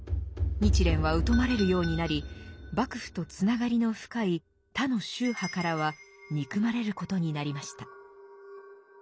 日蓮は疎まれるようになり幕府とつながりの深い他の宗派からは憎まれることになりました。